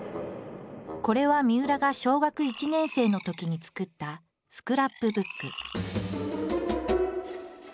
これはみうらが小学１年生のときに作ったスクラップブック。